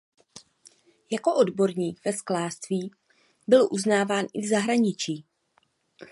Jako odborník ve sklářství byl uznáván i v zahraničí.